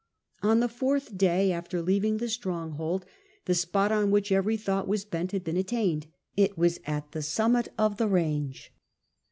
On the fourth day after leaving the stronghold, the spot on which every thought was bent had been attained. It was at the summit of the range.